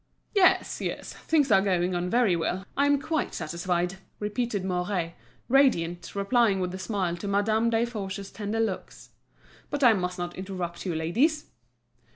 "Yes, yes; things are going on very well, I'm quite satisfied," repeated Mouret, radiant, replying with a smile to Madame Desforges's tender looks. "But I must not interrupt you, ladies."